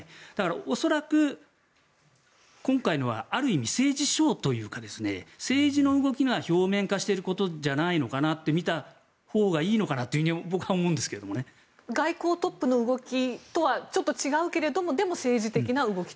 恐らく今回のはある意味、政治ショーというか政治の動きが表面化していることじゃないかと見たほうがいいのかなと外交トップの動きとはちょっと違うけど政治的な動きと。